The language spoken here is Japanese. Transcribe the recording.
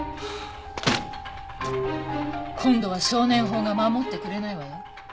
今度は少年法が守ってくれないわよ。